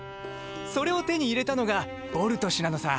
それを手に入れたのがボルト氏なのさ。